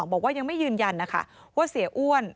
บอกว่ายังไม่ยืนยันนะคะว่าเสียอ้วน